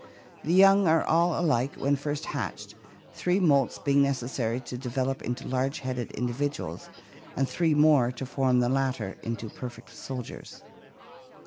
The young are all alike when first hatched, three moults being necessary to develop into large headed individuals, and three more to form the latter into perfect soldiers.